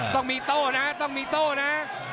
ต้องมีโต้นะต้องมีโต้นะ